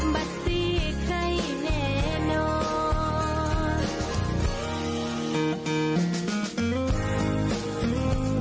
บัดซีใครแน่นอน